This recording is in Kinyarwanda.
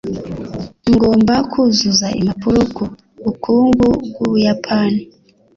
ngomba kuzuza impapuro ku bukungu bw'ubuyapani